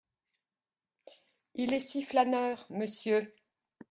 Il est si flâneur, monsieur !